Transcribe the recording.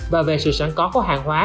và về sự sản có có hàng hóa